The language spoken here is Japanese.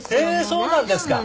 そうなんですか。